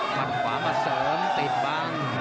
มัดขวามาเสริมติดบัง